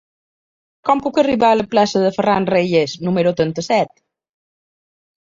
Com puc arribar a la plaça de Ferran Reyes número trenta-set?